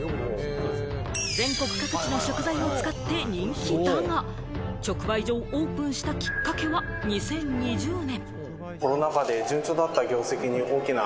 全国各地の食材を使って人気だが、直売所をオープンしたきっかけは２０２０年。